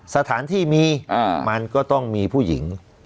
สถานที่มีมันก็ต้องมีผู้หญิง